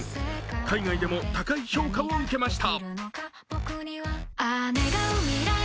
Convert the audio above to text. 海外でも高い評価を受けました。